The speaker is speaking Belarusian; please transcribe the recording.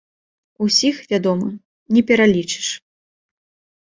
Усіх, вядома, не пералічыш.